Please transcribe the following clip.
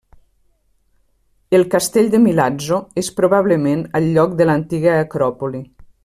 El castell de Milazzo és probablement al lloc de l'antiga acròpoli.